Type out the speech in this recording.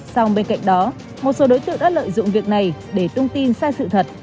xong bên cạnh đó một số đối tượng đã lợi dụng việc này để tung tin sai sự thật